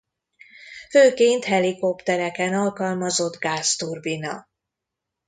Főként helikoptereken alkalmazott gázturbina.